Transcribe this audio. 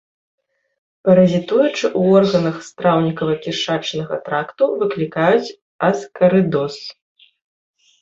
Паразітуючы ў органах страўнікава-кішачнага тракту, выклікаюць аскарыдоз.